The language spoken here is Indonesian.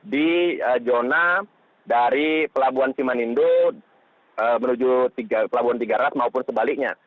di zona dari pelabuhan simanindo menuju pelabuhan tiga ras maupun sebaliknya